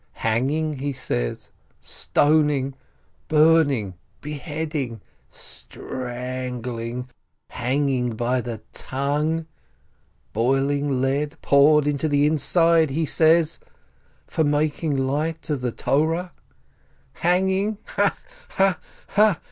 Hanging, he says, stoning, burning, beheading, strangling, hanging by the tongue, boiling lead poured into the inside, he says — for making light of the Torah — Hanging) ha, ha, ha!"